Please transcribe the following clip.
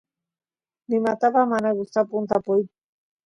nimatapas mana gustapun tapuy